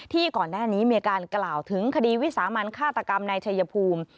ก่อนหน้านี้มีการกล่าวถึงคดีวิสามันฆาตกรรมในชัยภูมิ